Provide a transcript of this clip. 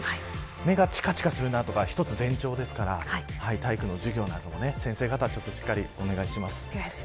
目がちかちかするなとかは一つ、前兆ですから体育の授業なども先生方しっかりお願いします。